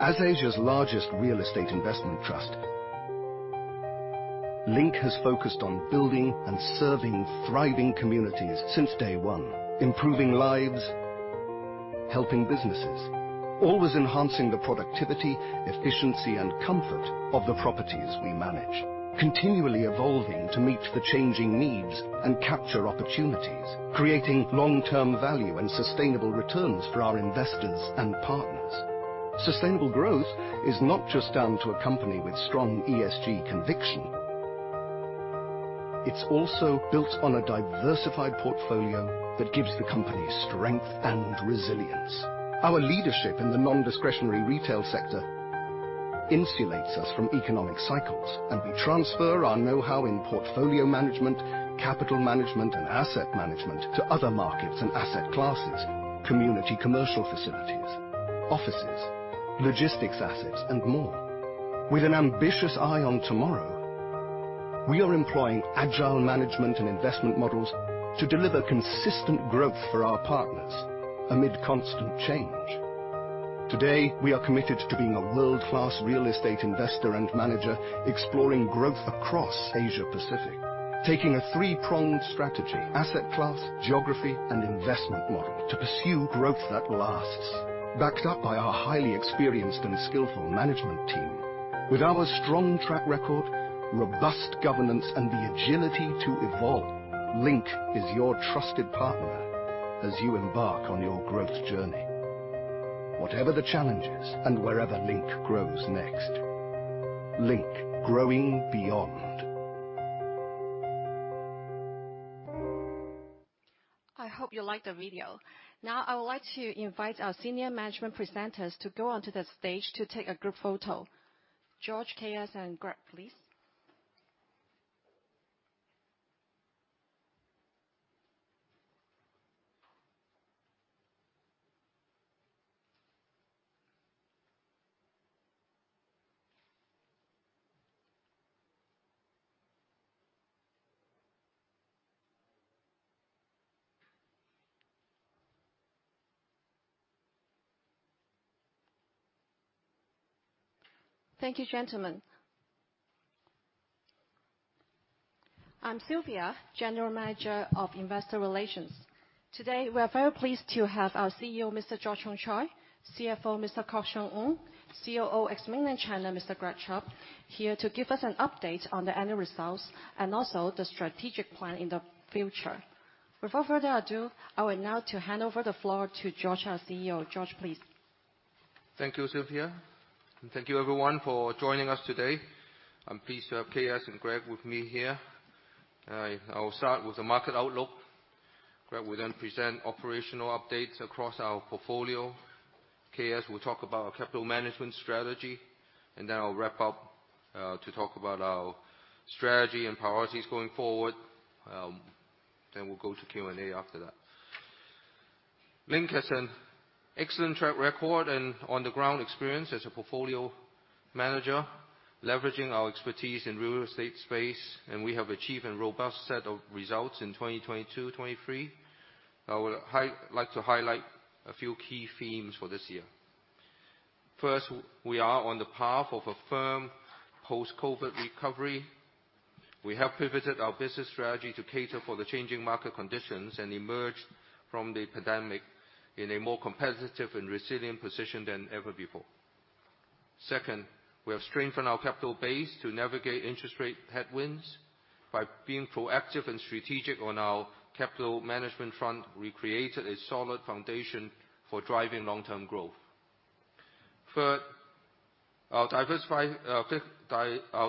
As Asia's largest real estate investment trust, Link has focused on building and serving thriving communities since day one, improving lives, helping businesses, always enhancing the productivity, efficiency, and comfort of the properties we manage. Continually evolving to meet the changing needs and capture opportunities, creating long-term value and sustainable returns for our investors and partners. Sustainable growth is not just down to a company with strong ESG conviction. It's also built on a diversified portfolio that gives the company strength and resilience. Our leadership in the non-discretionary retail sector insulates us from economic cycles, and we transfer our know-how in portfolio management, capital management, and asset management to other markets and asset classes, community commercial facilities, offices, logistics assets, and more. With an ambitious eye on tomorrow, we are employing agile management and investment models to deliver consistent growth for our partners amid constant change. Today, we are committed to being a world-class real estate investor and manager, exploring growth across Asia Pacific, taking a three-pronged strategy, asset class, geography, and investment model, to pursue growth that lasts, backed up by our highly experienced and skillful management team. With our strong track record, robust governance, and the agility to evolve, Link is your trusted partner as you embark on your growth journey. Whatever the challenges, and wherever Link grows next. Link, growing beyond. I hope you liked the video. I would like to invite our senior management presenters to go onto the stage to take a group photo. George, K.S., and Greg, please. Thank you, gentlemen. I'm Silvia, General Manager of Investor Relations. We are very pleased to have our CEO, Mr. George Hongchoy, CFO, Mr. Kok-Siong Ng, COO, ex-Mainland China, Mr. Greg Chubb, here to give us an update on the annual results and also the strategic plan in the future. Without further ado, I would now to hand over the floor to George, our CEO. George, please. Thank you, Silvia. Thank you everyone for joining us today. I'm pleased to have K.S. and Greg with me here. I will start with the market outlook. Greg will present operational updates across our portfolio. K.S. will talk about our capital management strategy, and then I'll wrap up to talk about our strategy and priorities going forward. We'll go to Q&A after that. Link has an excellent track record and on-the-ground experience as a portfolio manager, leveraging our expertise in real estate space, and we have achieved a robust set of results in 2022, 2023. I would like to highlight a few key themes for this year. First, we are on the path of a firm post-COVID recovery. We have pivoted our business strategy to cater for the changing market conditions and emerged from the pandemic in a more competitive and resilient position than ever before. Second, we have strengthened our capital base to navigate interest rate headwinds. By being proactive and strategic on our capital management front, we created a solid foundation for driving long-term growth. Third, our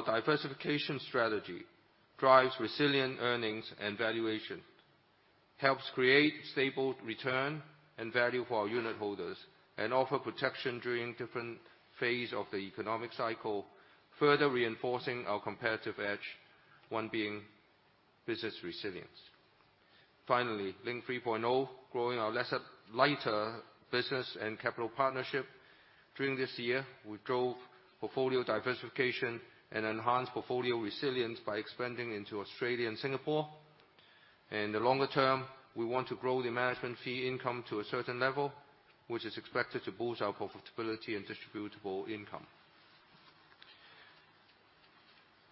diversification strategy drives resilient earnings and valuation, helps create stable return and value for our unit holders, and offer protection during different phase of the economic cycle, further reinforcing our competitive edge, one being business resilience. Finally, Link 3.0, growing our lighter business and capital partnership. During this year, we drove portfolio diversification and enhanced portfolio resilience by expanding into Australia and Singapore. In the longer term, we want to grow the management fee income to a certain level, which is expected to boost our profitability and distributable income.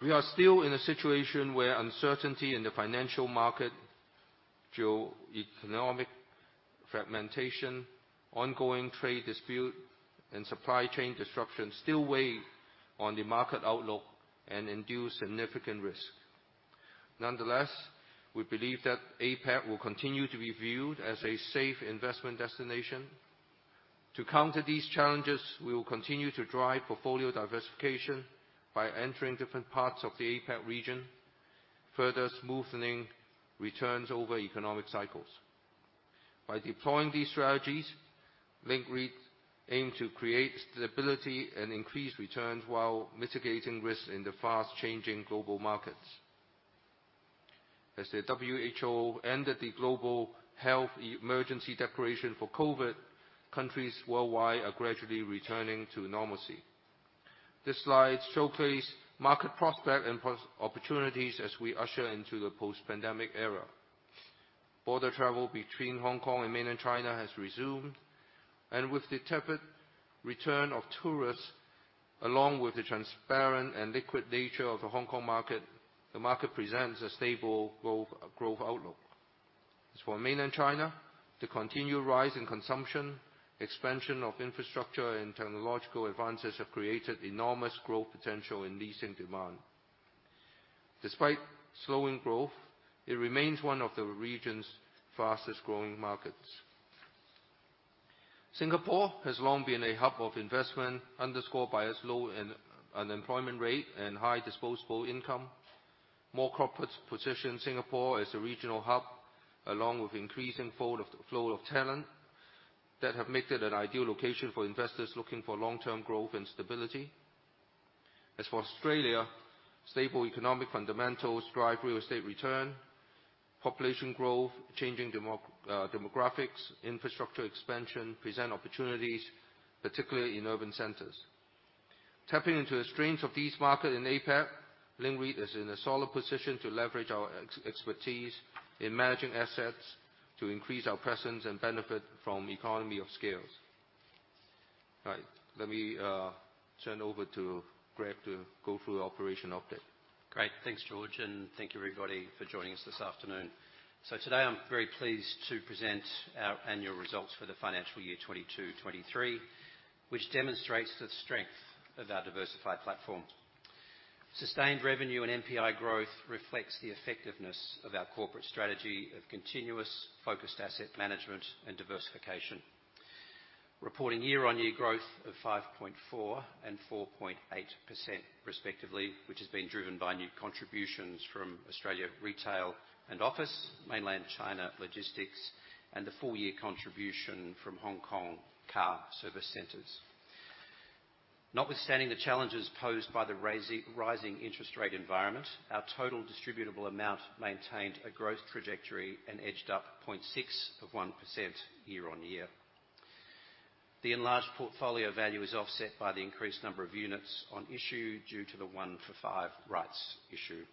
We are still in a situation where uncertainty in the financial market, geo-economic fragmentation, ongoing trade dispute, and supply chain disruptions still weigh on the market outlook and induce significant risk. Nonetheless, we believe that APAC will continue to be viewed as a safe investment destination. To counter these challenges, we will continue to drive portfolio diversification by entering different parts of the APAC region, further smoothening returns over economic cycles. By deploying these strategies, Link REIT aim to create stability and increase returns while mitigating risk in the fast-changing global markets. As the WHO ended the Global Health Emergency Declaration for COVID, countries worldwide are gradually returning to normalcy. This slide showcase market prospect and opportunities as we usher into the post-pandemic era. Border travel between Hong Kong and Mainland China has resumed, with the tepid return of tourists, along with the transparent and liquid nature of the Hong Kong market, the market presents a stable growth outlook. As for Mainland China, the continued rise in consumption, expansion of infrastructure, and technological advances have created enormous growth potential in leasing demand. Despite slowing growth, it remains one of the region's fastest growing markets. Singapore has long been a hub of investment, underscored by its low unemployment rate and high disposable income. More corporates position Singapore as a regional hub, along with increasing flow of talent that have made it an ideal location for investors looking for long-term growth and stability. As for Australia, stable economic fundamentals drive real estate return, population growth, changing demographics, infrastructure expansion, present opportunities, particularly in urban centers. Tapping into a strength of these market in APAC, Link REIT is in a solid position to leverage our expertise in managing assets to increase our presence and benefit from economy of scales. Right, let me turn over to Greg to go through the operation update. Great. Thanks, George, and thank you, everybody, for joining us this afternoon. Today, I'm very pleased to present our annual results for the financial year 2022-2023, which demonstrates the strength of our diversified platform. Sustained revenue and NPI growth reflects the effectiveness of our corporate strategy of continuous focused asset management and diversification. Reporting year-on-year growth of 5.4% and 4.8% respectively, which has been driven by new contributions from Australia retail and office, Mainland China logistics, and the full year contribution from Hong Kong car service centers. Notwithstanding the challenges posed by the rising interest rate environment, our total distributable amount maintained a growth trajectory and edged up 0.6% year-on-year. The enlarged portfolio value is offset by the increased number of units on issue due to the 1-for-5 rights issue,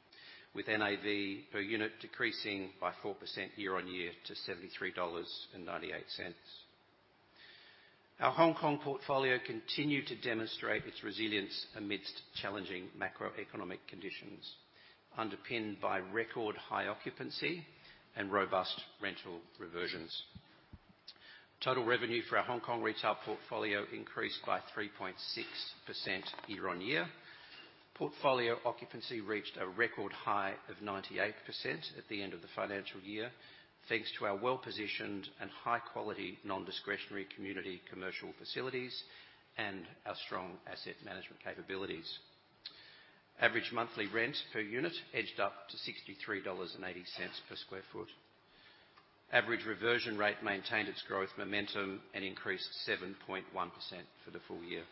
with NAV per unit decreasing by 4% year-on-year to 73.98 dollars. Our Hong Kong portfolio continued to demonstrate its resilience amidst challenging macroeconomic conditions, underpinned by record high occupancy and robust rental reversions. Total revenue for our Hong Kong retail portfolio increased by 3.6% year-on-year. Portfolio occupancy reached a record high of 98% at the end of the financial year, thanks to our well-positioned and high-quality, non-discretionary community commercial facilities and our strong asset management capabilities. Average monthly rent per unit edged up to HKD 63.80 per sq ft. Average reversion rate maintained its growth momentum and increased 7.1% for the full year.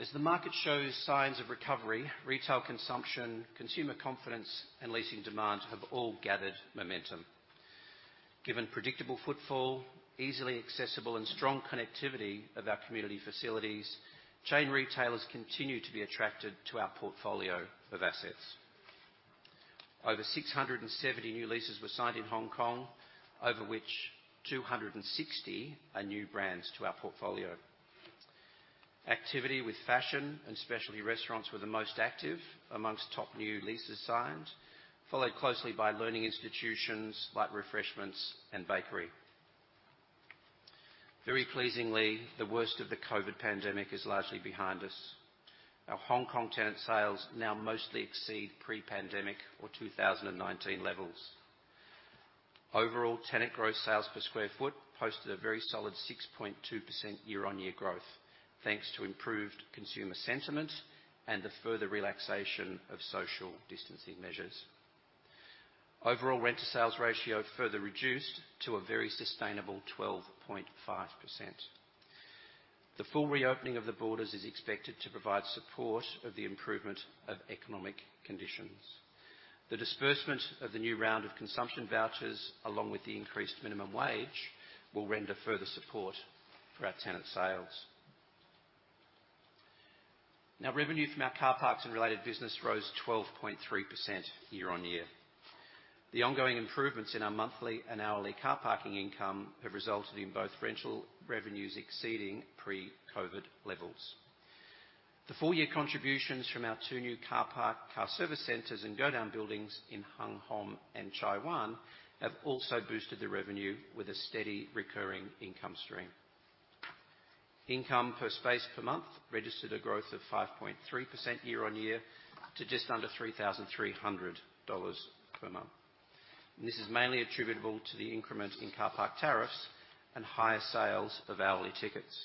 As the market shows signs of recovery, retail consumption, consumer confidence, and leasing demand have all gathered momentum. Given predictable footfall, easily accessible and strong connectivity of our community facilities, chain retailers continue to be attracted to our portfolio of assets. Over 670 new leases were signed in Hong Kong, over which 260 are new brands to our portfolio. Activity with fashion and specialty restaurants were the most active amongst top new leases signed, followed closely by learning institutions like refreshments and bakery. Very pleasingly, the worst of the COVID pandemic is largely behind us. Our Hong Kong tenant sales now mostly exceed pre-pandemic or 2019 levels. Overall, tenant growth sales per square foot posted a very solid 6.2% year-on-year growth, thanks to improved consumer sentiment and the further relaxation of social distancing measures. Overall rent to sales ratio further reduced to a very sustainable 12.5%. The full reopening of the borders is expected to provide support of the improvement of economic conditions. The disbursement of the new round of consumption vouchers, along with the increased minimum wage, will render further support for our tenant sales. Revenue from our car parks and related business rose 12.3% year-on-year. The ongoing improvements in our monthly and hourly car parking income have resulted in both rental revenues exceeding pre-COVID levels. The full year contributions from our two new car park, car service centers, and godown buildings in Hung Hom and Chai Wan have also boosted the revenue with a steady recurring income stream. Income per space per month registered a growth of 5.3% year-on-year to just under 3,300 dollars per month. This is mainly attributable to the increment in car park tariffs and higher sales of hourly tickets.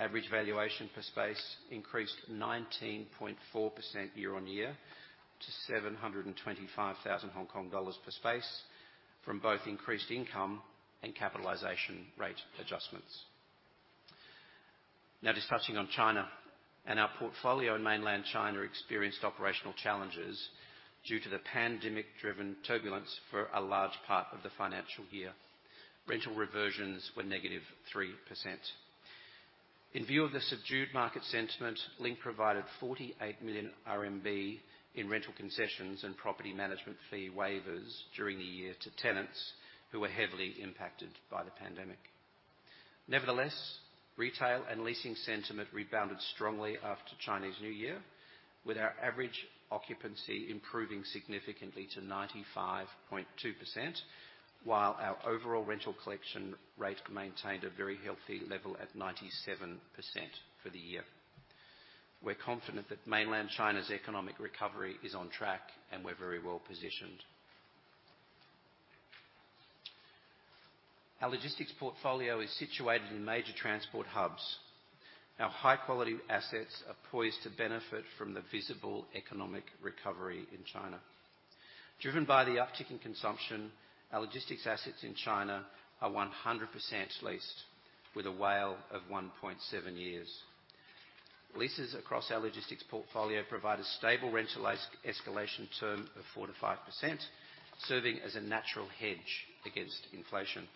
Average valuation per space increased 19.4% year-on-year to 725,000 Hong Kong dollars per space from both increased income and capitalization rate adjustments. Discussing on China, our portfolio in mainland China experienced operational challenges due to the pandemic-driven turbulence for a large part of the financial year. Rental reversions were -3%. In view of the subdued market sentiment, Link provided 48 million RMB in rental concessions and property management fee waivers during the year to tenants who were heavily impacted by the pandemic. Retail and leasing sentiment rebounded strongly after Chinese New Year, with our average occupancy improving significantly to 95.2%, while our overall rental collection rate maintained a very healthy level at 97% for the year. We're confident that mainland China's economic recovery is on track. We're very well positioned. Our logistics portfolio is situated in major transport hubs. Our high-quality assets are poised to benefit from the visible economic recovery in China. Driven by the uptick in consumption, our logistics assets in China are 100% leased, with a WALE of 1.7 years. Leases across our logistics portfolio provide a stable rental escalation term of 4% to 5%, serving as a natural hedge against inflation.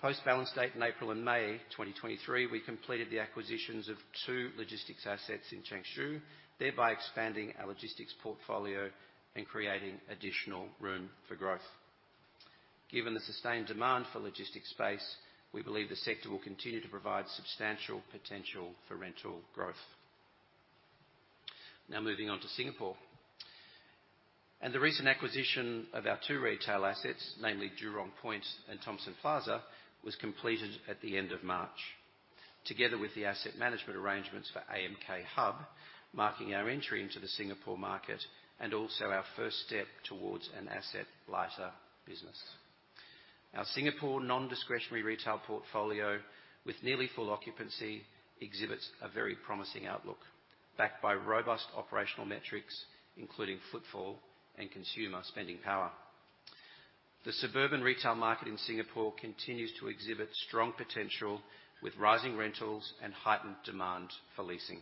Post balance date in April and May 2023, we completed the acquisitions of two logistics assets in Changshu, thereby expanding our logistics portfolio and creating additional room for growth. Given the sustained demand for logistics space, we believe the sector will continue to provide substantial potential for rental growth. Moving on to Singapore, the recent acquisition of our two retail assets, namely Jurong Point and Thomson Plaza, was completed at the end of March, together with the asset management arrangements for AMK Hub, marking our entry into the Singapore market and also our first step towards an asset-lighter business. Our Singapore non-discretionary retail portfolio, with nearly full occupancy, exhibits a very promising outlook, backed by robust operational metrics, including footfall and consumer spending power. The suburban retail market in Singapore continues to exhibit strong potential, with rising rentals and heightened demand for leasing.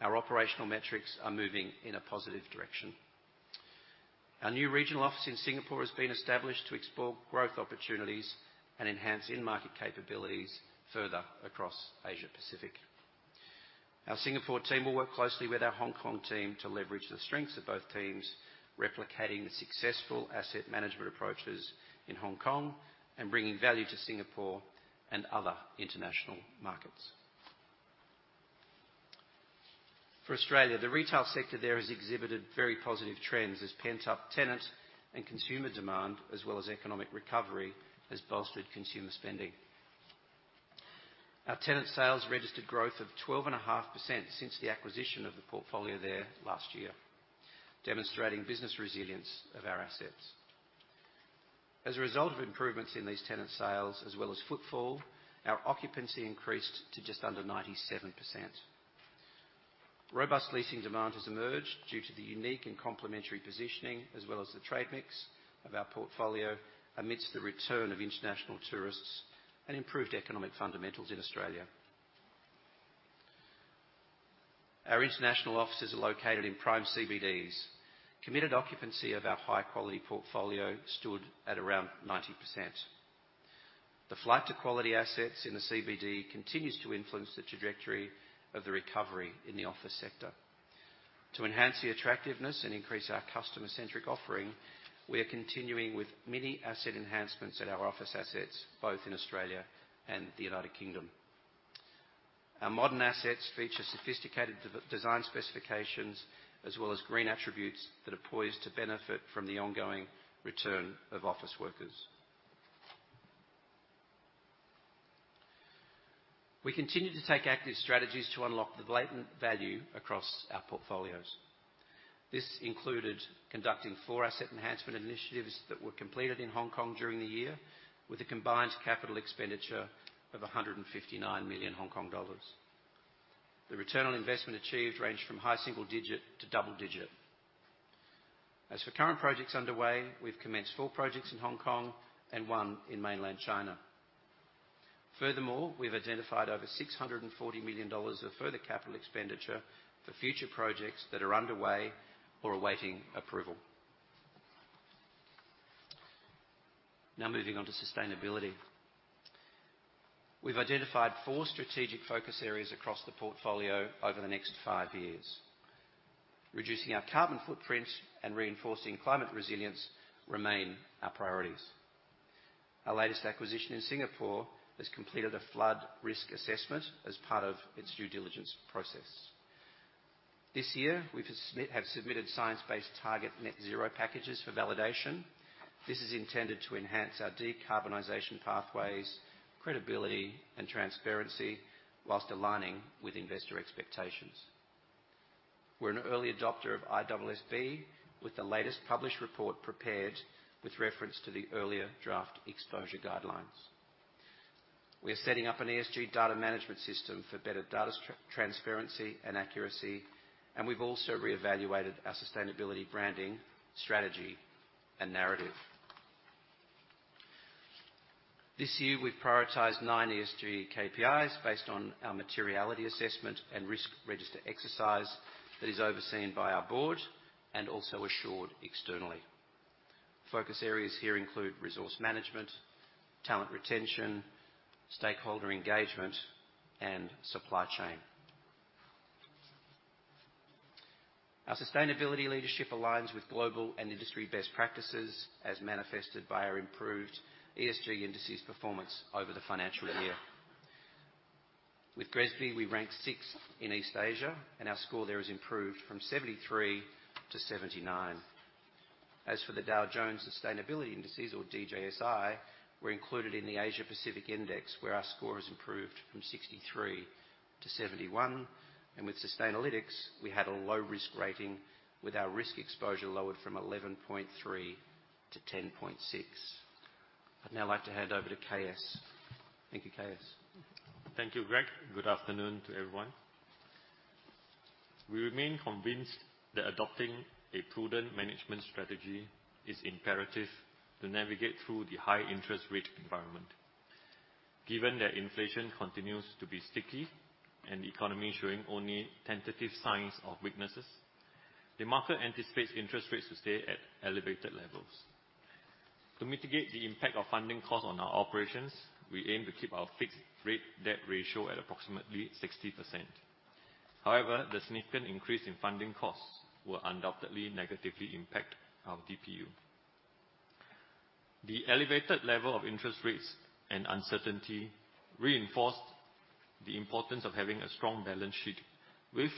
Our operational metrics are moving in a positive direction. Our new regional office in Singapore has been established to explore growth opportunities and enhance in-market capabilities further across Asia Pacific. Our Singapore team will work closely with our Hong Kong team to leverage the strengths of both teams, replicating the successful asset management approaches in Hong Kong and bringing value to Singapore and other international markets. For Australia, the retail sector there has exhibited very positive trends as pent-up tenant and consumer demand, as well as economic recovery, has bolstered consumer spending. Our tenant sales registered growth of 12.5% since the acquisition of the portfolio there last year, demonstrating business resilience of our assets. As a result of improvements in these tenant sales as well as footfall, our occupancy increased to just under 97%. Robust leasing demand has emerged due to the unique and complementary positioning, as well as the trade mix of our portfolio, amidst the return of international tourists and improved economic fundamentals in Australia. Our international offices are located in prime CBDs. Committed occupancy of our high-quality portfolio stood at around 90%. The flight to quality assets in the CBD continues to influence the trajectory of the recovery in the office sector. To enhance the attractiveness and increase our customer-centric offering, we are continuing with many asset enhancements at our office assets, both in Australia and the U.K. Our modern assets feature sophisticated design specifications as well as green attributes that are poised to benefit from the ongoing return of office workers. We continue to take active strategies to unlock the latent value across our portfolios. This included conducting four asset enhancement initiatives that were completed in Hong Kong during the year, with a combined capital expenditure of 159 million Hong Kong dollars. The return on investment achieved ranged from high single digit to double digit. As for current projects underway, we've commenced four projects in Hong Kong and one in mainland China. Furthermore, we've identified over 640 million dollars of further capital expenditure for future projects that are underway or awaiting approval. Now moving on to sustainability. We've identified four strategic focus areas across the portfolio over the next five years. Reducing our carbon footprint and reinforcing climate resilience remain our priorities. Our latest acquisition in Singapore has completed a flood risk assessment as part of its due diligence process. This year, we've submitted science-based target net-zero packages for validation. This is intended to enhance our decarbonization pathways, credibility, and transparency, while aligning with investor expectations. We're an early adopter of ISSB, with the latest published report prepared with reference to the earlier draft exposure guidelines. We are setting up an ESG data management system for better data transparency and accuracy. We've also reevaluated our sustainability branding, strategy, and narrative. This year, we've prioritized nine ESG KPIs based on our materiality assessment and risk register exercise that is overseen by our board and also assured externally. Focus areas here include resource management, talent retention, stakeholder engagement, and supply chain. Our sustainability leadership aligns with global and industry best practices, as manifested by our improved ESG indices performance over the financial year. With GRESB, we ranked sixth in East Asia. Our score there has improved from 73 to 79. As for the Dow Jones Sustainability Indices, or DJSI, we're included in the Asia Pacific Index, where our score has improved from 63 to 71. With Sustainalytics, we had a low risk rating, with our risk exposure lowered from 11.3 to 10.6. I'd now like to hand over to KS. Thank you, K.S. Thank you, Greg. Good afternoon to everyone. We remain convinced that adopting a prudent management strategy is imperative to navigate through the high interest rate environment. Given that inflation continues to be sticky and the economy showing only tentative signs of weakness, the market anticipates interest rates to stay at elevated levels. To mitigate the impact of funding costs on our operations, we aim to keep our fixed rate debt ratio at approximately 60%. The significant increase in funding costs will undoubtedly negatively impact our DPU. The elevated level of interest rates and uncertainty reinforced the importance of having a strong balance sheet, with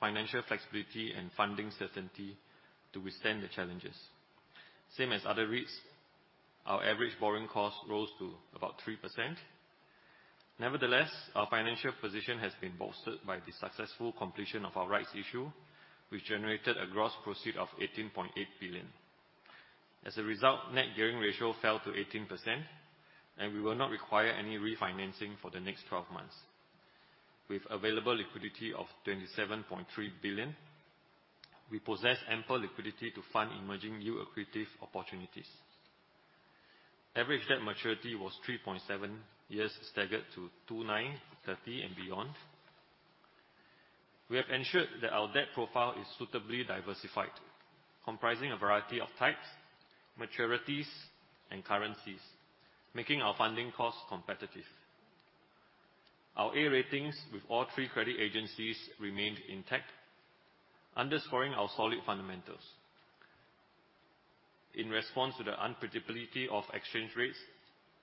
financial flexibility and funding certainty to withstand the challenges. Same as other risks, our average borrowing cost rose to about 3%. Nevertheless, our financial position has been bolstered by the successful completion of our rights issue, which generated a gross proceed of 18.8 billion. As a result, net gearing ratio fell to 18%, and we will not require any refinancing for the next 12 months. With available liquidity of 27.3 billion, we possess ample liquidity to fund emerging new accretive opportunities. Average debt maturity was 3.7 years, staggered to two, nine, 30, and beyond. We have ensured that our debt profile is suitably diversified, comprising a variety of types, maturities, and currencies, making our funding costs competitive. Our A ratings with all three credit agencies remained intact, underscoring our solid fundamentals. In response to the unpredictability of exchange rates,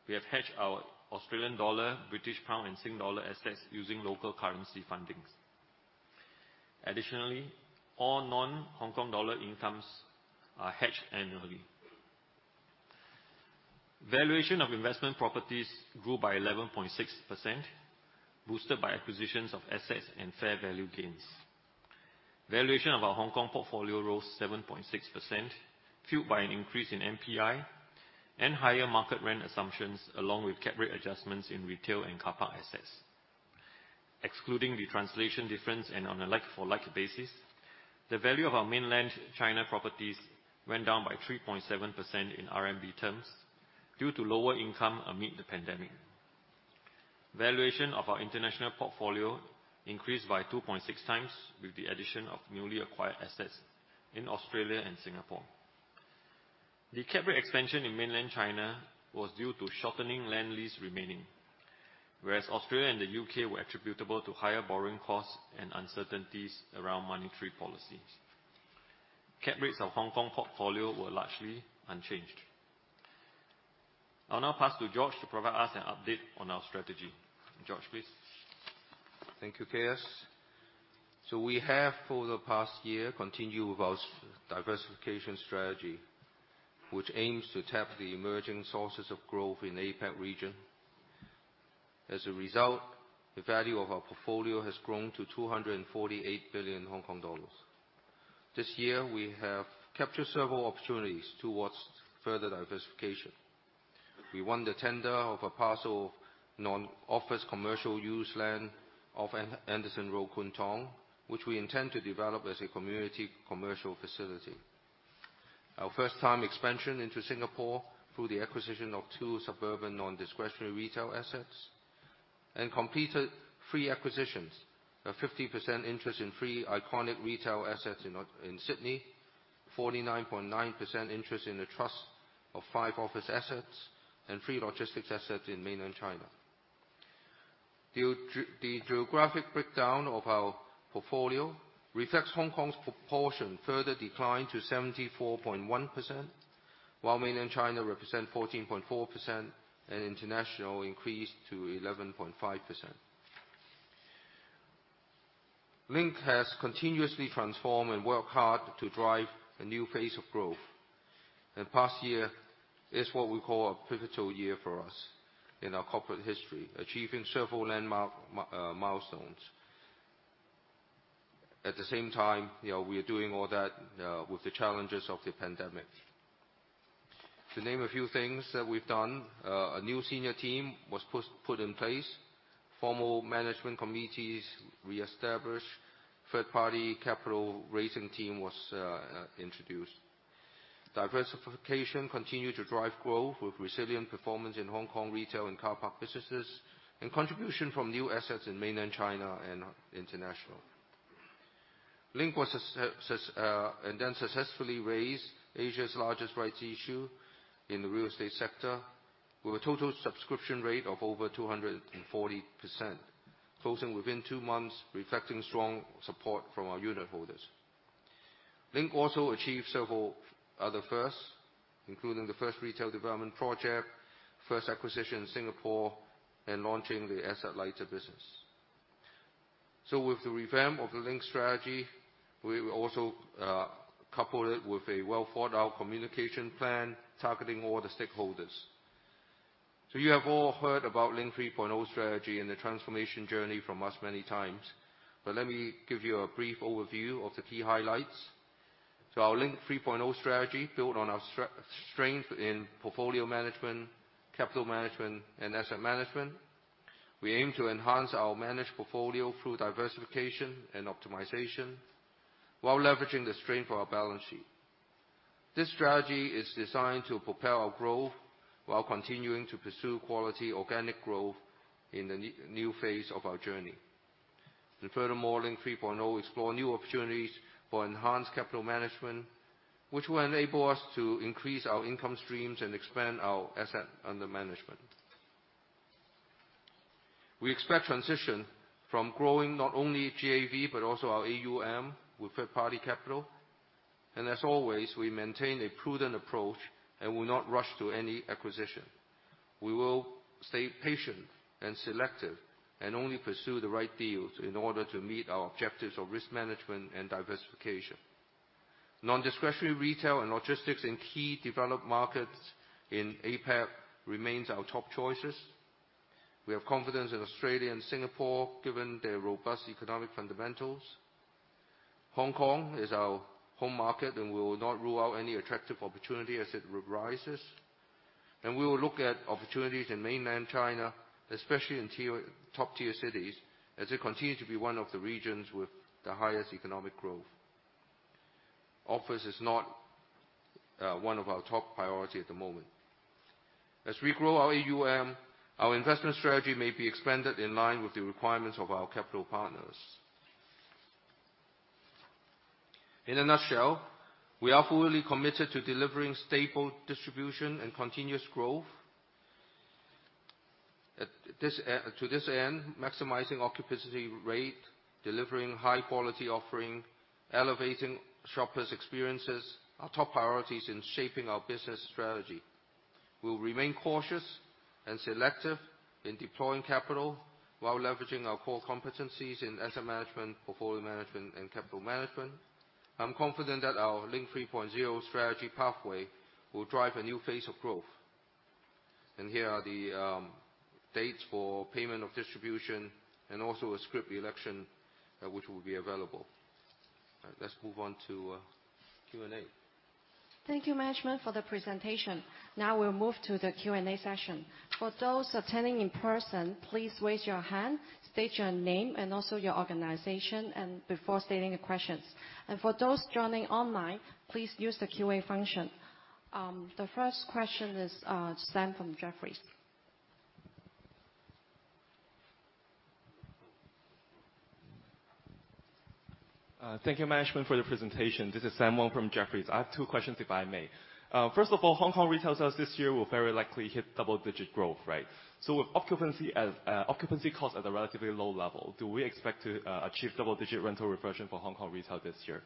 we have hedged our Australian dollar, British pound, and Singapore dollar assets using local currency fundings. Additionally, all non-Hong Kong dollar incomes are hedged annually. Valuation of investment properties grew by 11.6%, boosted by acquisitions of assets and fair value gains. Valuation of our Hong Kong portfolio rose 7.6%, fueled by an increase in NPI and higher market rent assumptions, along with cap rate adjustments in retail and car park assets. Excluding the translation difference and on a like-for-like basis, the value of our mainland China properties went down by 3.7% in RMB terms, due to lower income amid the pandemic. Valuation of our international portfolio increased by 2.6 times, with the addition of newly acquired assets in Australia and Singapore. The cap rate expansion in mainland China was due to shortening land lease remaining, whereas Australia and the UK were attributable to higher borrowing costs and uncertainties around monetary policies. Cap rates of Hong Kong portfolio were largely unchanged. I'll now pass to George to provide us an update on our strategy. George, please. Thank you, KS. We have, for the past year, continued with our diversification strategy, which aims to tap the emerging sources of growth in APAC region. As a result, the value of our portfolio has grown to 248 billion Hong Kong dollars. This year, we have captured several opportunities towards further diversification. We won the tender of a parcel of non-office commercial use land of Anderson Road, Kwun Tong, which we intend to develop as a community commercial facility. Our first-time expansion into Singapore, through the acquisition of two suburban non-discretionary retail assets, and completed three acquisitions: a 50% interest in three iconic retail assets in Sydney, 49.9% interest in the trust of five office assets, and three logistics assets in mainland China. The geographic breakdown of our portfolio reflects Hong Kong's proportion further declined to 74.1%, while mainland China represent 14.4%, and international increased to 11.5%. Link has continuously transformed and worked hard to drive a new phase of growth. The past year is what we call a pivotal year for us in our corporate history, achieving several landmark milestones. At the same time, you know, we are doing all that with the challenges of the pandemic. To name a few things that we've done, a new senior team was put in place, formal management committees reestablished, third-party capital raising team was introduced. Diversification continued to drive growth, with resilient performance in Hong Kong retail and car park businesses, and contribution from new assets in mainland China and international. Link was successfully raised Asia's largest rights issue in the real estate sector, with a total subscription rate of over 240%, closing within two months, reflecting strong support from our unit holders. Link also achieved several other firsts, including the first retail development project, first acquisition in Singapore, and launching the asset-lighter business. With the revamp of the Link strategy, we will also couple it with a well-thought-out communication plan targeting all the stakeholders. You have all heard about Link 3.0 strategy and the transformation journey from us many times, let me give you a brief overview of the key highlights. Our Link 3.0 strategy, built on our strength in portfolio management, capital management, and asset management. We aim to enhance our managed portfolio through diversification and optimization, while leveraging the strength of our balance sheet. This strategy is designed to propel our growth while continuing to pursue quality organic growth in the new phase of our journey. Furthermore, Link 3.0 explore new opportunities for enhanced capital management, which will enable us to increase our income streams and expand our asset under management. We expect transition from growing not only GAV, but also our AUM, with third-party capital. As always, we maintain a prudent approach and will not rush to any acquisition. We will stay patient and selective, and only pursue the right deals in order to meet our objectives of risk management and diversification. Non-discretionary retail and logistics in key developed markets in APAC remains our top choices. We have confidence in Australia and Singapore, given their robust economic fundamentals. Hong Kong is our home market, and we will not rule out any attractive opportunity as it arises. We will look at opportunities in mainland China, especially in top-tier cities, as it continues to be one of the regions with the highest economic growth. Office is not one of our top priority at the moment. As we grow our AUM, our investment strategy may be expanded in line with the requirements of our capital partners. In a nutshell, we are fully committed to delivering stable distribution and continuous growth. To this end, maximizing occupancy rate, delivering high-quality offering, elevating shoppers' experiences, are top priorities in shaping our business strategy. We'll remain cautious and selective in deploying capital while leveraging our core competencies in asset management, portfolio management, and capital management. I'm confident that our Link 3.0 strategy pathway will drive a new phase of growth. Here are the dates for payment of distribution and also a scrip election, which will be available. All right, let's move on to Q&A. Thank you, management, for the presentation. Now we'll move to the Q&A session. For those attending in person, please raise your hand, state your name, and also your organization, and before stating the questions. For those joining online, please use the Q&A function. The first question is Sam from Jefferies. Thank you, management, for the presentation. This is Sam Wong from Jefferies. I have two questions, if I may. First of all, Hong Kong retail sales this year will very likely hit double-digit growth, right? With occupancy costs at a relatively low level, do we expect to achieve double-digit rental reversion for Hong Kong retail this year?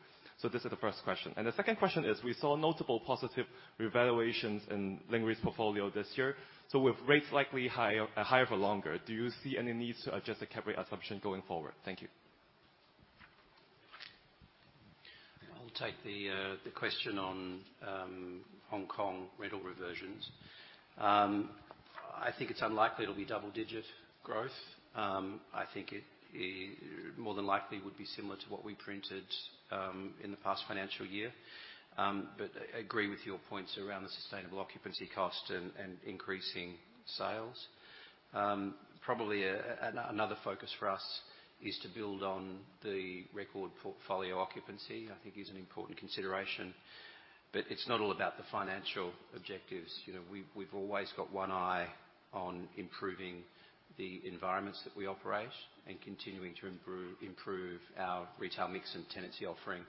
This is the first question. The second question is, we saw notable positive revaluations in Link REIT's portfolio this year. With rates likely high, higher for longer, do you see any needs to adjust the cap rate assumption going forward? Thank you. I'll take the question on Hong Kong rental reversions. I think it's unlikely it'll be double-digit growth. I think it more than likely would be similar to what we printed in the past financial year. I agree with your points around the sustainable occupancy cost and increasing sales. Probably another focus for us is to build on the record portfolio occupancy, I think is an important consideration, but it's not all about the financial objectives. You know, we've always got one eye on improving the environments that we operate and continuing to improve our retail mix and tenancy offering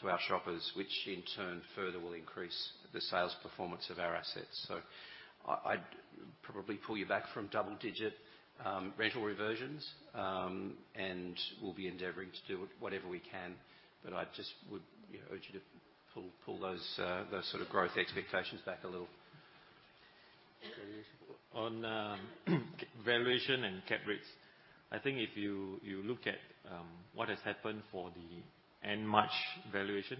to our shoppers, which in turn further will increase the sales performance of our assets. I'd probably pull you back from double digit rental reversions. We'll be endeavoring to do whatever we can, but I just would, you know, urge you to pull those sort of growth expectations back a little. On valuation and cap rates, I think if you look at what has happened for the end March valuation,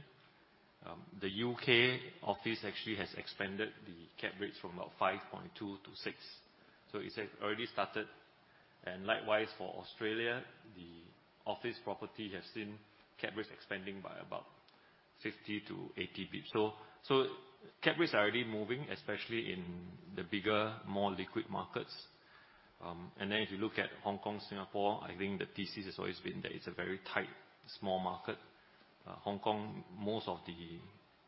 the U.K. office actually has expanded the cap rates from about 5.2% to 6%. It has already started. Likewise, for Australia, the office property has seen cap rates expanding by about 50 to 80 basis points. Cap rates are already moving, especially in the bigger, more liquid markets. If you look at Hong Kong, Singapore, I think the thesis has always been that it's a very tight, small market. Hong Kong, most of the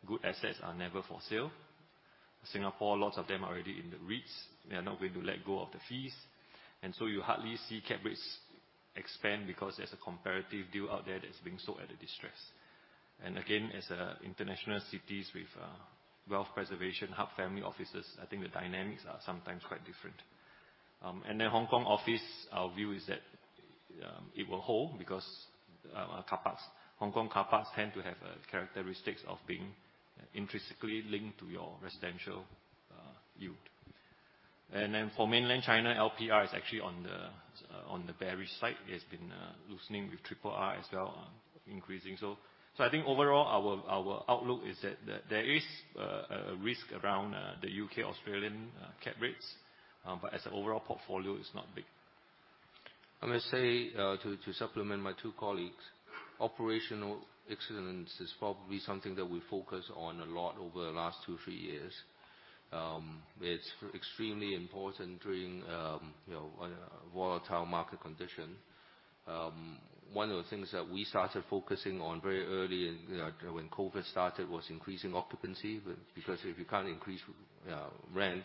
good assets are never for sale. Singapore, lots of them are already in the REITs. They are not going to let go of the fees. So you hardly see cap rates expand because there's a comparative deal out there that's being sold at a distress. Again, as international cities with wealth preservation, hub family offices, I think the dynamics are sometimes quite different. Hong Kong office, our view is that it will hold because car parks, Hong Kong car parks tend to have characteristics of being intrinsically linked to your residential yield. For mainland China, LPR is actually on the bearish side. It's been loosening with RRR as well, increasing. I think overall, our outlook is that there is a risk around the U.K., Australian, cap rates, but as an overall portfolio, it's not big. I must say, to supplement my two colleagues, operational excellence is probably something that we focus on a lot over the last two, three years. It's extremely important during, you know, volatile market condition. One of the things that we started focusing on very early in when COVID started, was increasing occupancy, but because if you can't increase rent,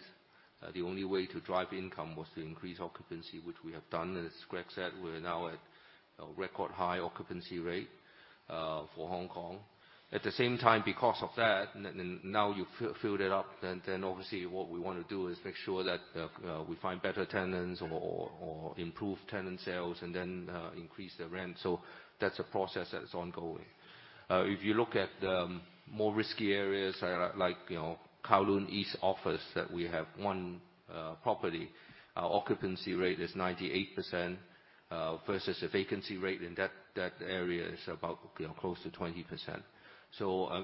the only way to drive income was to increase occupancy, which we have done. As Greg said, we're now at a record high occupancy rate for Hong Kong. At the same time, because of that, and then now you've fill-filled it up, then obviously what we wanna do is make sure that we find better tenants or improve tenant sales and then increase the rent. That's a process that's ongoing. If you look at the more risky areas, like, you know, Kowloon East office, that we have one property, our occupancy rate is 98% versus the vacancy rate in that area is about, you know, close to 20%.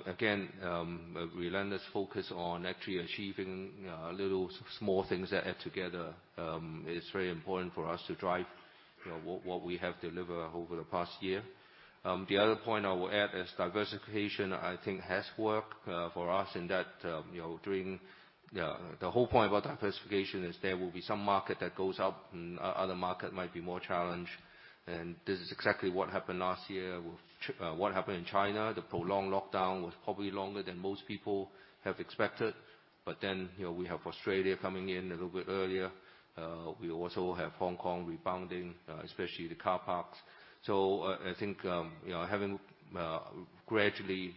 Again, a relentless focus on actually achieving little small things that add together is very important for us to drive, you know, what we have delivered over the past year. The other point I will add is diversification, I think, has worked for us in that, you know, during. The whole point about diversification is there will be some market that goes up, and other market might be more challenged, and this is exactly what happened last year with what happened in China. The prolonged lockdown was probably longer than most people have expected, but then, you know, we have Australia coming in a little bit earlier. We also have Hong Kong rebounding, especially the car parks. I think, you know, having gradually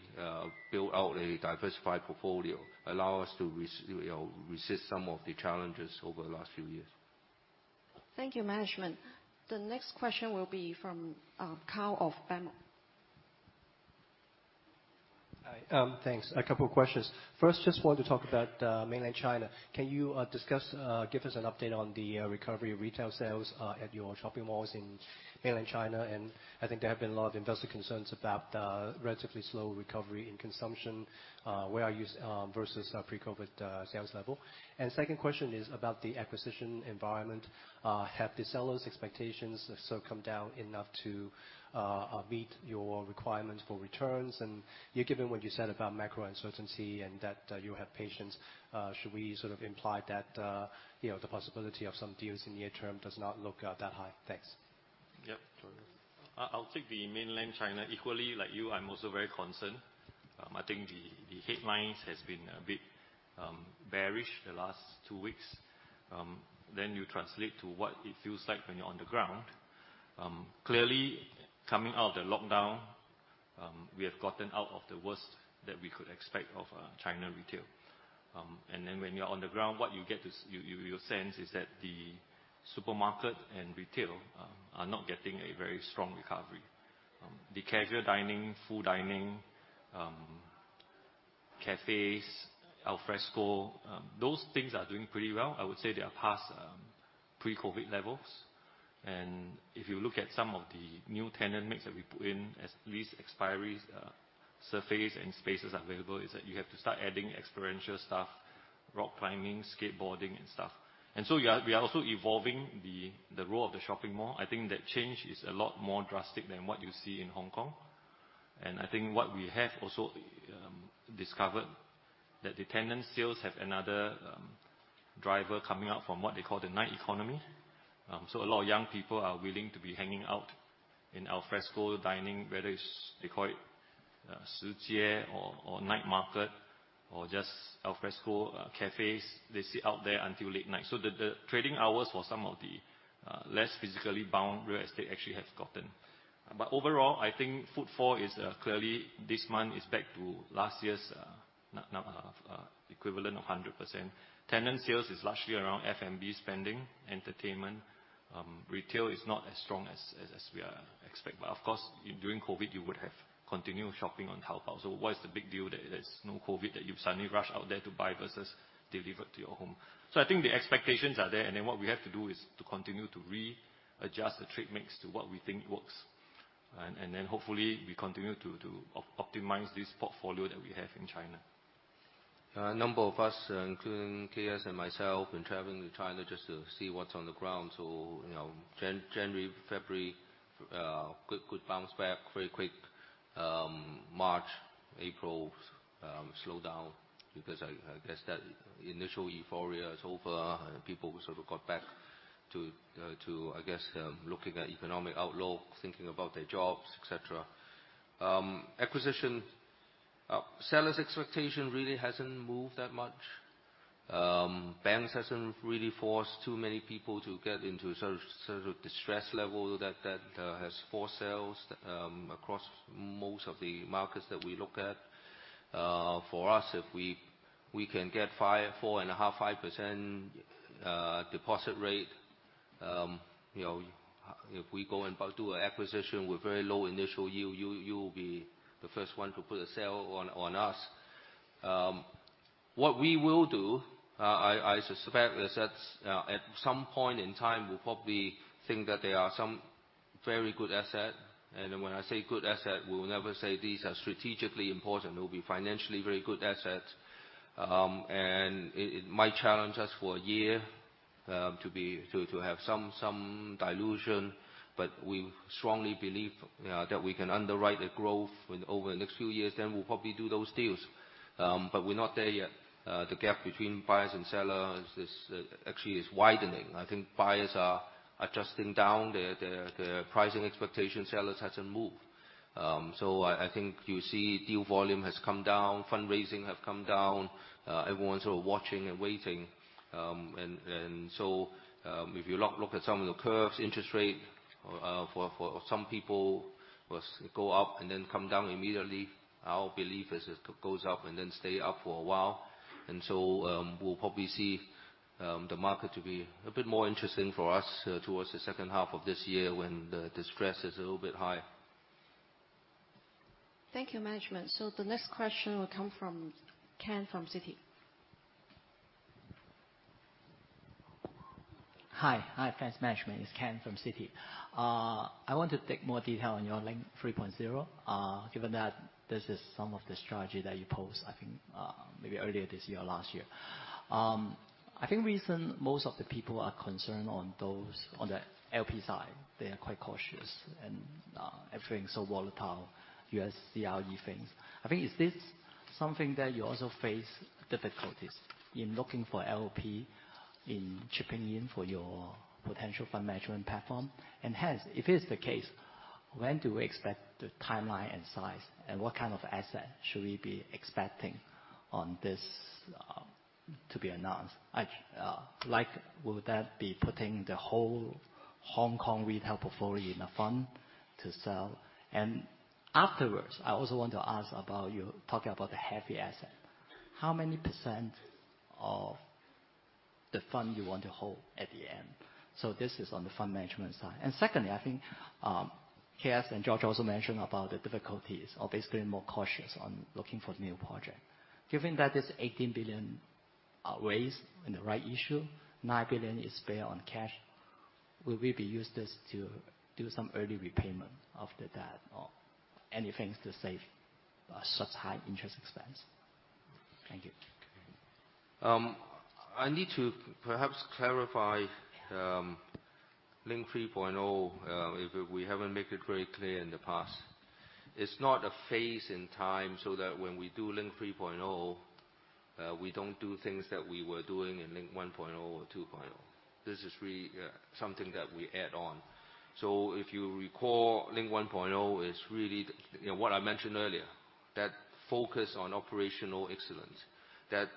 build out a diversified portfolio allow us to you know, resist some of the challenges over the last few years. Thank you, management. The next question will be from, Kyle of BAMCO. Hi. Thanks. A couple of questions. First, just want to talk about mainland China. Can you discuss, give us an update on the recovery of retail sales at your shopping malls in mainland China? I think there have been a lot of investor concerns about the relatively slow recovery in consumption, where are you versus pre-COVID sales level. Second question is about the acquisition environment. Have the sellers' expectations sort of come down enough to meet your requirements for returns? Yeah, given what you said about macro uncertainty and that you have patience, should we sort of imply that, you know, the possibility of some deals in the near term does not look that high? Thanks. Yep. I'll take the Mainland China. Equally, like you, I'm also very concerned. I think the headlines has been a bit bearish the last two weeks. You translate to what it feels like when you're on the ground. Clearly, coming out of the lockdown, we have gotten out of the worst that we could expect of China retail. When you're on the ground, what you get to... You'll sense is that the supermarket and retail are not getting a very strong recovery. The casual dining, food dining, cafes, al fresco, those things are doing pretty well. I would say they are past pre-COVID levels. If you look at some of the new tenant mix that we put in, as these expiries surface and spaces available, is that you have to start adding experiential stuff, rock climbing, skateboarding and stuff. We are also evolving the role of the shopping mall. I think that change is a lot more drastic than what you see in Hong Kong. I think what we have also discovered, that the tenant sales have another driver coming out from what they call the night economy. A lot of young people are willing to be hanging out in al fresco dining, whether it's, they call it, Shijie or night market, or just al fresco cafes. They sit out there until late night. The trading hours for some of the less physically bound real estate actually have gotten. Overall, I think footfall is clearly, this month, is back to last year's equivalent of 100%. Tenant sales is largely around F&B spending, entertainment. Retail is not as strong as we are expect. Of course, during COVID, you would have continued shopping on Taobao. What is the big deal that there's no COVID, that you suddenly rush out there to buy versus delivered to your home? I think the expectations are there, and then what we have to do is to continue to readjust the trade mix to what we think works. Hopefully, we continue to optimize this portfolio that we have in China. A number of us, including KS and myself, been traveling to China just to see what's on the ground. you know, January, February, good bounce back, very quick. March, April, slowed down because I guess that initial euphoria is over, and people sort of got back to, I guess, looking at economic outlook, thinking about their jobs, et cetera. Acquisition, seller's expectation really hasn't moved that much. Banks hasn't really forced too many people to get into sort of distress level that has forced sales across most of the markets that we look at. For us, if we can get 4.5%-5% deposit rate, you know, if we go and do an acquisition with very low initial yield, you will be the first one to put a sale on us. What we will do, I suspect, is that at some point in time, we'll probably think that there are some very good asset. When I say good asset, we will never say these are strategically important. They will be financially very good assets. It might challenge us for a year to have some dilution, but we strongly believe, you know, that we can underwrite the growth over the next few years, then we'll probably do those deals. We're not there yet. The gap between buyers and sellers is actually widening. I think buyers are adjusting down their pricing expectations. Sellers hasn't moved. I think you see deal volume has come down, fundraising have come down. Everyone's sort of watching and waiting. If you look at some of the curves, interest rate for some people will go up and then come down immediately. Our belief is it goes up and then stay up for a while. We'll probably see the market to be a bit more interesting for us towards the second half of this year, when the distress is a little bit higher. Thank you, management. The next question will come from Ken, from Citi. Hi. Hi, thanks, management. It's Ken from Citi. I want to take more detail on your Link 3.0, given that this is some of the strategy that you post, I think, maybe earlier this year or last year. I think reason most of the people are concerned on those, on the LP side, they are quite cautious, and everything's so volatile, U.S., CRE things. I think, is this something that you also face difficulties in looking for LP, in chipping in for your potential fund management platform? Hence, if it is the case, when do we expect the timeline and size, and what kind of asset should we be expecting on this to be announced? I like, would that be putting the whole Hong Kong retail portfolio in a fund to sell? Afterwards, I also want to ask about you talking about the heavy asset. How many percent of the fund you want to hold at the end? This is on the fund management side. Secondly, I think, K.S. and George also mentioned about the difficulties of basically being more cautious on looking for new project. Given that this 18 billion raised in the rights issue, 9 billion is spare on cash, will we be used this to do some early repayment of the debt or anything to save such high interest expense? Thank you. I need to perhaps clarify Link 3.0, if we haven't made it very clear in the past. It's not a phase in time, so that when we do Link 3.0, we don't do things that we were doing in Link 1.0 or 2.0. This is really something that we add on. If you recall, Link 1.0 is really, you know, what I mentioned earlier, that focus on operational excellence, that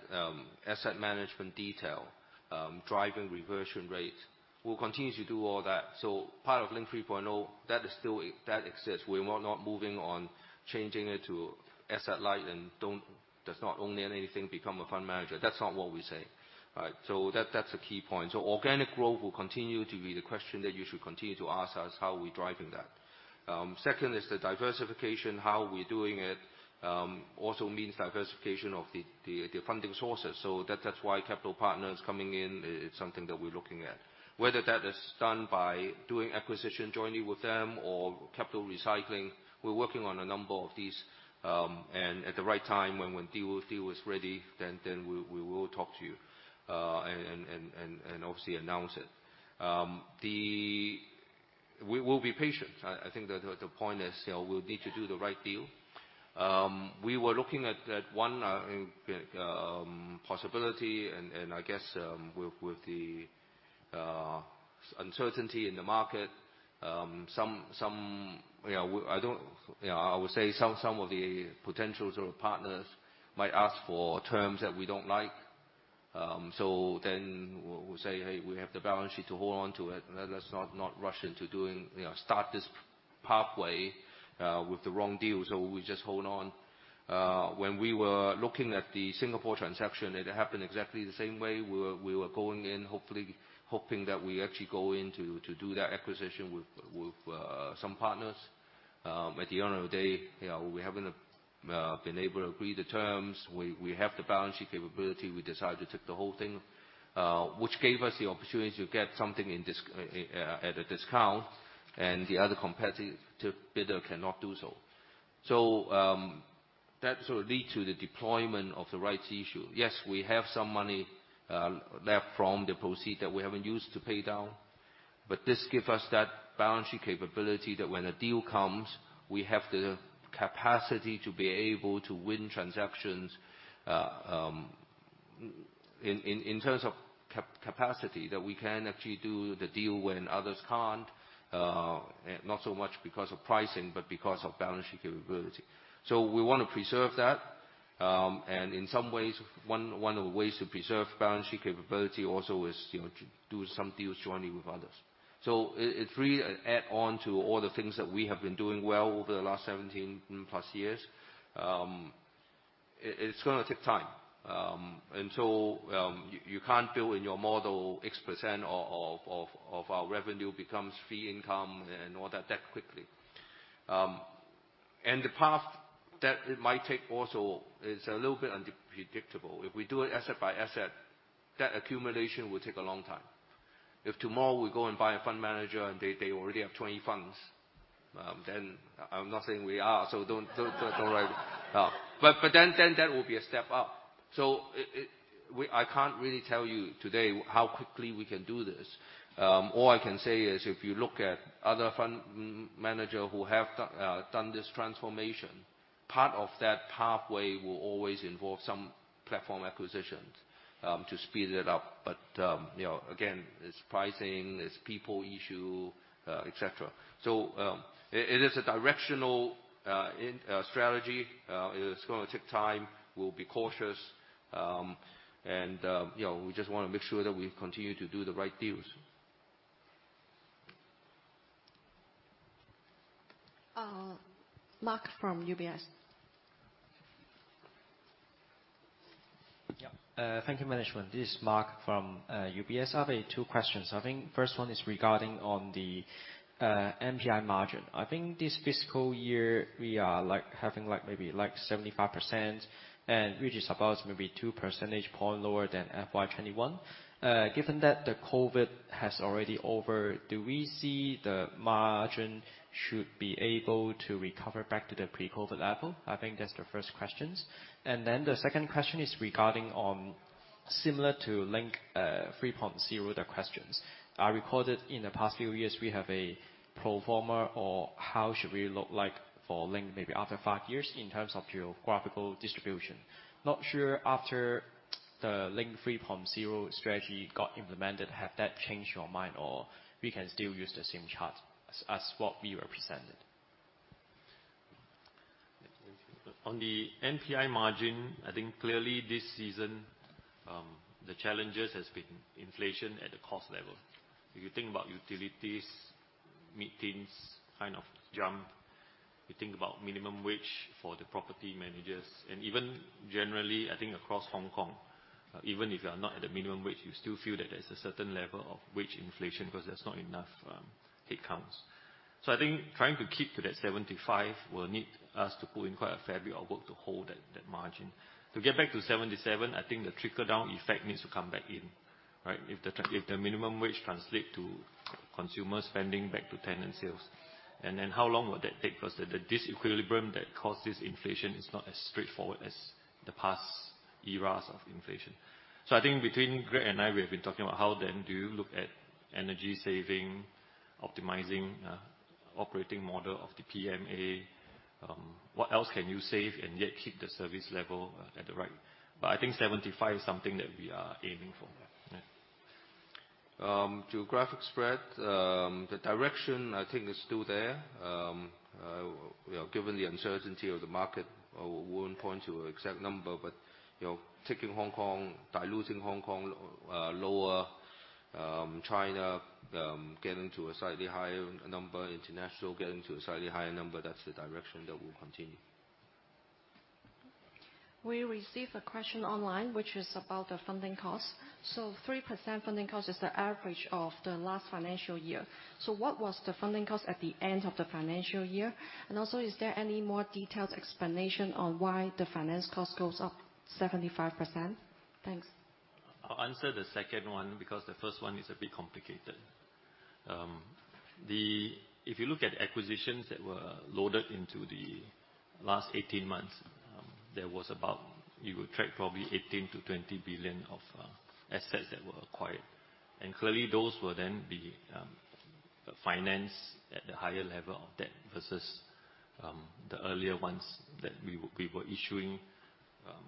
asset management detail, driving reversion rate. We'll continue to do all that. Part of Link 3.0, that exists. We're not moving on changing it to asset light and that's not owning anything, become a fund manager. That's not what we say, right? That's a key point. Organic growth will continue to be the question that you should continue to ask us, how we're driving that. Second is the diversification, how we're doing it, also means diversification of the, the funding sources. That, that's why capital partners coming in is something that we're looking at. Whether that is done by doing acquisition jointly with them or capital recycling, we're working on a number of these. At the right time, when deal is ready, then we will talk to you, and obviously announce it. We will be patient. I think that the point is, you know, we'll need to do the right deal. We were looking at one possibility. I guess with the uncertainty in the market, some, you know, I would say some of the potential sort of partners might ask for terms that we don't like. We'll say, "Hey, we have the balance sheet to hold on to it. Let's not rush into doing, you know, start this pathway with the wrong deal." We just hold on. When we were looking at the Singapore transaction, it happened exactly the same way. We were going in, hopefully, hoping that we actually go in to do that acquisition with some partners. At the end of the day, you know, we haven't been able to agree the terms. We have the balance sheet capability. We decided to take the whole thing, which gave us the opportunity to get something at a discount, and the other competitive bidder cannot do so. That sort of led to the deployment of the rights issue. We have some money left from the proceeds that we haven't used to pay down, but this gives us that balance sheet capability, that when a deal comes, we have the capacity to be able to win transactions.... in terms of capacity, that we can actually do the deal when others can't. Not so much because of pricing, but because of balancing capability. We wanna preserve that. In some ways, one of the ways to preserve balancing capability also is, you know, to do some deals jointly with others. It really add on to all the things that we have been doing well over the last 17 plus years. It's gonna take time. You can't build in your model X% of our revenue becomes fee income and all that quickly. The path that it might take also is a little bit unpredictable. If we do it asset by asset, that accumulation will take a long time. If tomorrow we go and buy a fund manager, and they already have 20 funds, then... I'm not saying we are, so don't worry. Then, that will be a step up. I can't really tell you today how quickly we can do this. All I can say is, if you look at other fund manager who have done this transformation, part of that pathway will always involve some platform acquisitions, to speed it up. You know, again, it's pricing, it's people issue, et cetera. It is a directional, in, strategy. It is gonna take time. We'll be cautious. You know, we just wanna make sure that we continue to do the right deals. Mark from UBS. Yeah. Thank you, management. This is Mark from UBS. I have two questions. I think first one is regarding on the NPI margin. I think this fiscal year, we are like having like maybe like 75%, and which is about maybe two percentage points lower than FY 21. Given that the COVID has already over, do we see the margin should be able to recover back to the pre-COVID level? I think that's the first questions. The second question is regarding on similar to Link 3.0 questions. I recorded in the past few years, we have a pro forma, or how should we look like for Link maybe after five years in terms of geographical distribution? Not sure after the Link 3.0 strategy got implemented, have that changed your mind, or we can still use the same chart as what we represented? On the NPI margin, I think clearly this season, the challenges has been inflation at the cost level. If you think about utilities, meetings, kind of jump. You think about minimum wage for the property managers, and even generally, I think across Hong Kong, even if you are not at a minimum wage, you still feel that there's a certain level of wage inflation, 'cause there's not enough headcounts. I think trying to keep to that 75% will need us to put in quite a fair bit of work to hold that margin. To get back to 77%, I think the trickle-down effect needs to come back in, right? If the minimum wage translate to consumer spending back to tenant sales. How long will that take for us? The disequilibrium that causes inflation is not as straightforward as the past eras of inflation. I think between Greg and I, we have been talking about how then do you look at energy saving, optimizing, operating model of the PMA? What else can you save and yet keep the service level at the right... I think 75 is something that we are aiming for. Geographic spread, the direction I think is still there. You know, given the uncertainty of the market, I wouldn't point to an exact number, but, you know, taking Hong Kong, diluting Hong Kong, lower, China, getting to a slightly higher number, international getting to a slightly higher number, that's the direction that will continue. We received a question online, which is about the funding cost. 3% funding cost is the average of the last financial year. What was the funding cost at the end of the financial year? Is there any more detailed explanation on why the finance cost goes up 75%? Thanks. I'll answer the second one, because the first one is a bit complicated. If you look at acquisitions that were loaded into the last 18 months, there was about, you would track probably 18 billion-20 billion of assets that were acquired. Clearly, those will then be financed at the higher level of debt versus the earlier ones that we were issuing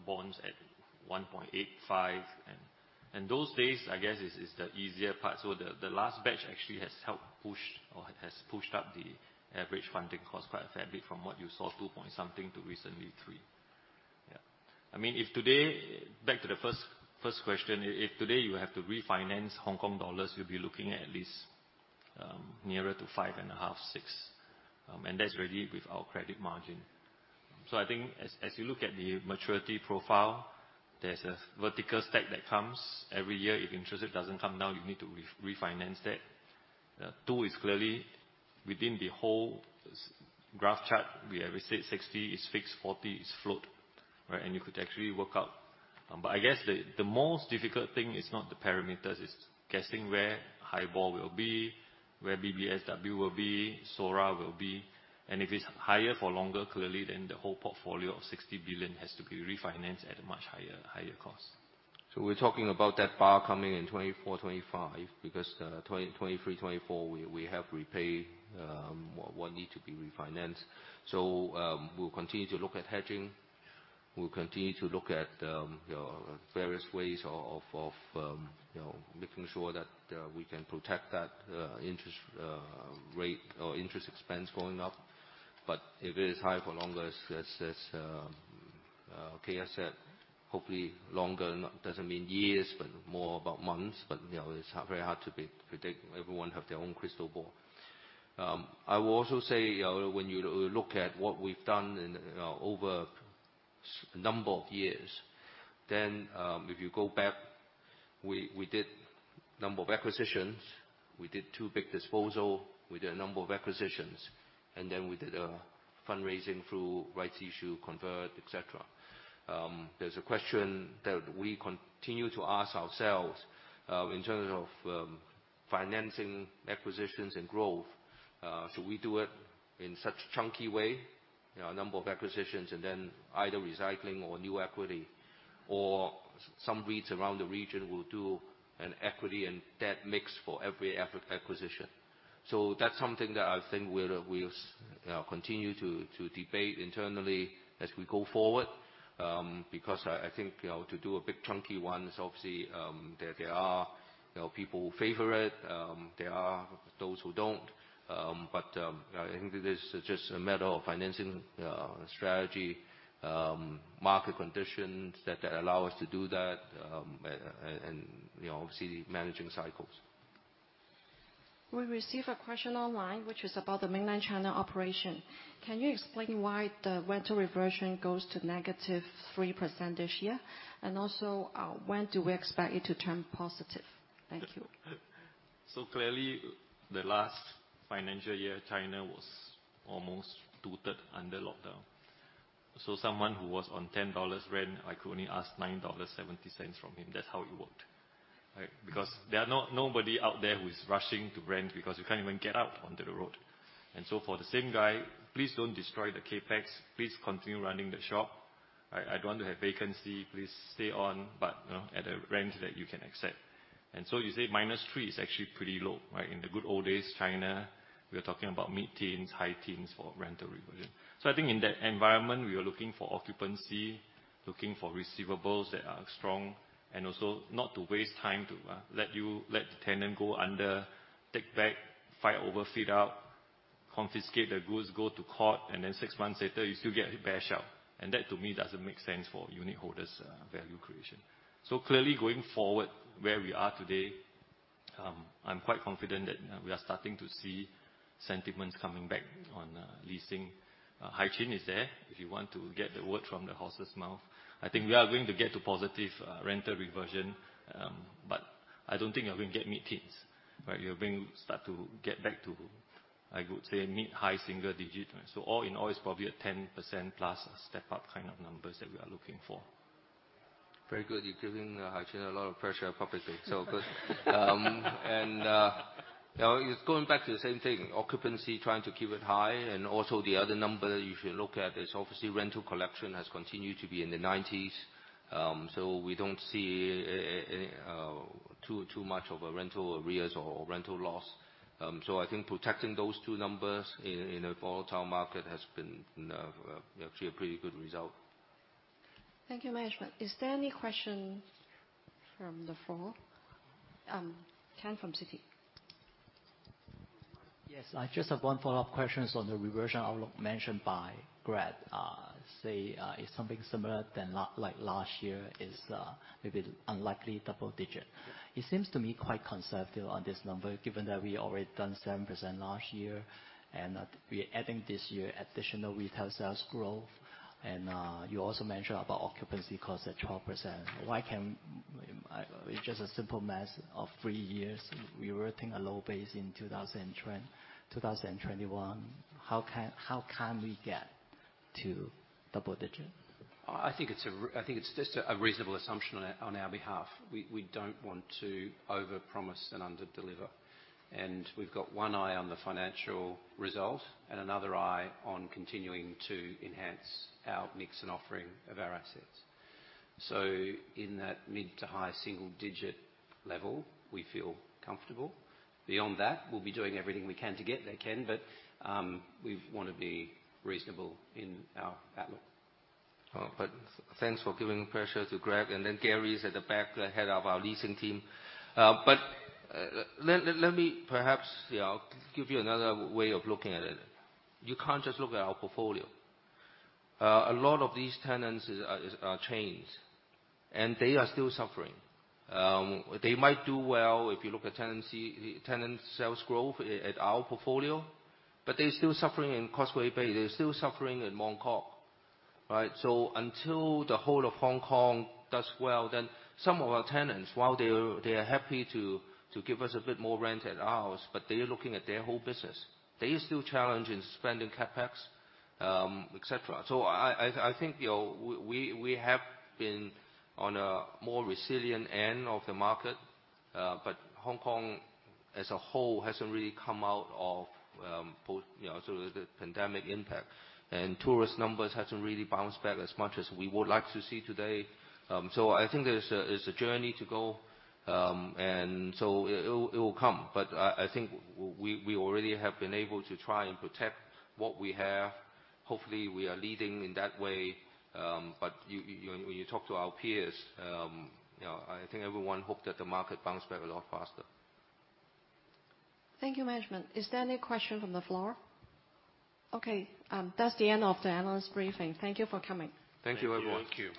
bonds at 1.85. Those days, I guess, is the easier part. The last batch actually has helped push or has pushed up the average funding cost quite a fair bit from what you saw, two point something to recently three. Yeah. I mean, if today... Back to the first question, if today you have to refinance Hong Kong dollars, you'll be looking at least nearer to 5.5-6. That's really with our credit margin. I think as you look at the maturity profile, there's a vertical stack that comes every year. If interest rate doesn't come down, you need to refinance that. Two is clearly within the whole graph chart. We have restate 60 is fixed, 40 is float, right? You could actually work out. I guess the most difficult thing is not the parameters, it's guessing where HIBOR will be, where BBSW will be, SORA will be. If it's higher for longer, clearly, then the whole portfolio of 60 billion has to be refinanced at a much higher cost. We're talking about that bar coming in 2024, 2025, because, 2023, 2024, we have repaid, what need to be refinanced. We'll continue to look at hedging. We'll continue to look at, you know, various ways of, you know, making sure that, we can protect that, interest, rate or interest expense going up. If it is high for longer, it's, like I said, hopefully longer doesn't mean years, but more about months. You know, it's very hard to be, predict. Everyone have their own crystal ball. I will also say, you know, when you look at what we've done in, over a number of years, then, if you go back, we did number of acquisitions, we did two big disposal, we did a number of acquisitions, and then we did a fundraising through rights issue, convert, et cetera. There's a question that we continue to ask ourselves, in terms of, financing, acquisitions, and growth. We do it in such chunky way, you know, a number of acquisitions, and then either recycling or new equity, or some REITs around the region will do an equity and debt mix for every acquisition. That's something that I think we'll continue to debate internally as we go forward. I think, you know, to do a big chunky one is obviously, there are, you know, people who favor it, there are those who don't. I think it is just a matter of financing strategy, market conditions that allow us to do that, and, you know, obviously managing cycles. We received a question online, which is about the Mainland China operation. Can you explain why the rental reversion goes to -3% this year? Also, when do we expect it to turn positive? Thank you. Clearly, the last financial year, China was almost two-third under lockdown. Someone who was on 10 dollars rent, I could only ask 9.70 dollars from him. That's how it worked, right. Because there are nobody out there who is rushing to rent, because you can't even get out onto the road. For the same guy, please don't destroy the CapEx, please continue running the shop, right. I don't want to have vacancy. Please stay on, but, you know, at a rent that you can accept. You say -3% is actually pretty low, right. In the good old days, China, we are talking about mid-teens, high teens for rental reversion. I think in that environment, we are looking for occupancy, looking for receivables that are strong, and also not to waste time to let the tenant go under, take back, fight over fit-out, confiscate the goods, go to court, and then six months later, you still get bashed out. That, to me, doesn't make sense for unitholders' value creation. Clearly, going forward, where we are today, I'm quite confident that we are starting to see sentiments coming back on leasing. Hai Chin is there, if you want to get the word from the horse's mouth. I think we are going to get to positive rental reversion, but I don't think you're going to get mid-teens, right? You're going start to get back to, I would say, mid-high single digit. All in all, it's probably a 10%+ step up kind of numbers that we are looking for. Very good. You're giving Hai Chin a lot of pressure, probably. Good. You know, it's going back to the same thing, occupancy, trying to keep it high. Also the other number you should look at is obviously rental collection has continued to be in the nineties. We don't see a too much of a rental arrears or rental loss. I think protecting those two numbers in a volatile market has been actually a pretty good result. Thank you, management. Is there any question from the floor? Ken, from Citi. Yes, I just have one follow-up question on the reversion outlook mentioned by Greg. say, it's something similar like last year, is maybe unlikely double digit. It seems to me quite conservative on this number, given that we've already done 7% last year, and that we're adding this year additional retail sales growth. you also mentioned about occupancy costs at 12%. Why can't? It's just a simple math of three years. We were hitting a low base in 2020, 2021. How can we get to double digit? I think it's just a reasonable assumption on our behalf. We don't want to overpromise and underdeliver. We've got one eye on the financial result and another eye on continuing to enhance our mix and offering of our assets. In that mid to high single digit level, we feel comfortable. Beyond that, we'll be doing everything we can to get there, Ken. We want to be reasonable in our outlook. Thanks for giving pressure to Greg, and then Gary is at the back, the head of our leasing team. Let me perhaps, you know, give you another way of looking at it. You can't just look at our portfolio. A lot of these tenants are chains, and they are still suffering. They might do well if you look at tenancy, tenant sales growth at our portfolio, but they're still suffering in Causeway Bay, they're still suffering in Mong Kok, right? Until the whole of Hong Kong does well, then some of our tenants, while they're happy to give us a bit more rent at ours, but they are looking at their whole business. They are still challenged in spending CapEx, et cetera. I think, you know, we have been on a more resilient end of the market, but Hong Kong as a whole hasn't really come out of, both, you know, the pandemic impact, and tourist numbers haven't really bounced back as much as we would like to see today. I think there's a journey to go. It will come, but I think we already have been able to try and protect what we have. Hopefully, we are leading in that way. When you talk to our peers, you know, I think everyone hope that the market bounce back a lot faster. Thank you, management. Is there any question from the floor? Okay, that's the end of the analyst briefing. Thank you for coming. Thank you, everyone. Thank you.